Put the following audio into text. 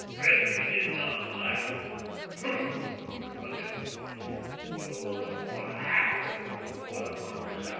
Gretry did not laugh. "Huh!" he grunted. "You'll look upon a hatful of them before the month is out."